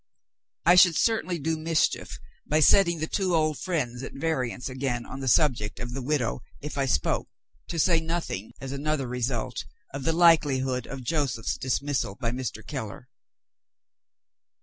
I should certainly do mischief, by setting the two old friends at variance again on the subject of the widow, if I spoke; to say nothing (as another result) of the likelihood of Joseph's dismissal by Mr. Keller.